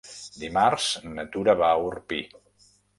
Dimarts na Tura va a Orpí.